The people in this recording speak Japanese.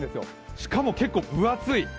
しかも結構分厚い。